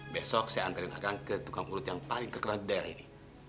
besok saya antri dagang ke tukang urut yang paling terkenal di daerah ini